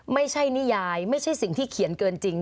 ไม่ใช่นิยายไม่ใช่สิ่งที่เขียนเกินจริง